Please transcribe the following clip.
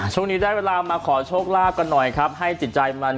ช่วงนี้ได้เวลามาขอโชคลาภกันหน่อยครับให้จิตใจมัน